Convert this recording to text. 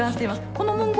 この文言